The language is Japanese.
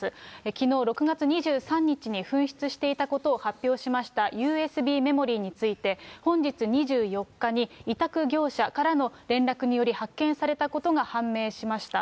きのう６月２３日に紛失していたことを発表しましたＵＳＢメモリについて、本日２４日に委託業者からの連絡により発見されたことが判明しました。